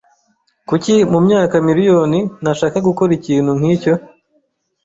Kuki mumyaka miriyoni nashaka gukora ikintu nkicyo?